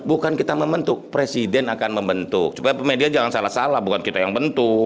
bukan kita membentuk presiden akan membentuk supaya media jangan salah salah bukan kita yang bentuk